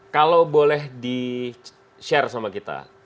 kalau boleh di share sama kita